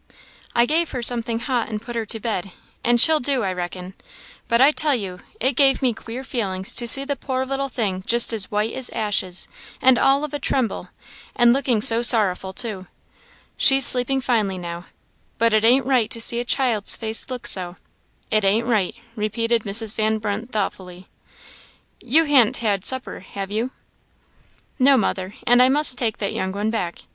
I gave her something hot and put her to bed, and she'll do, I reckon; but I tell you it gave me queer feelings to see the poor little thing just as white as ashes, and all of a tremble, and looking so sorrowful too. She's sleeping finely now; but it ain't right to see a child's face look so it ain't right," repeated Mrs. Van Brunt, thoughtfully; "You han't had supper, have you?" "No, mother, and I must take that young one back.